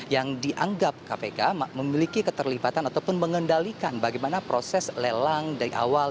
yang dianggap kpk memiliki keterlibatan ataupun mengendalikan bagaimana proses lelang dari awal